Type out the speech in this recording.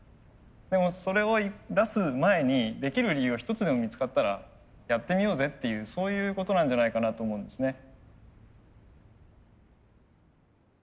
でもそれを出す前にできる理由が一つでも見つかったらやってみようぜっていうそういうことなんじゃないかなと思うんですね。